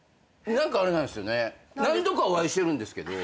何度かお会いしてるんですけど。